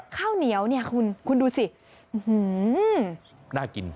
ข้าวเหนียวเนี่ยคุณดูสิ